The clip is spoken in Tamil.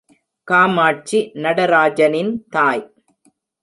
காமாட்சி நடராஜனின் தாய்.